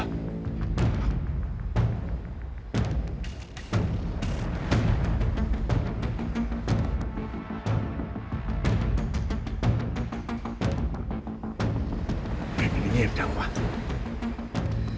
แหงนี้เบียงเงียบจังหรือเปล่า